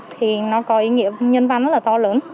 thì nó có ý nghĩa nhân văn rất là to lớn